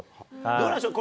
どうなんでしょう。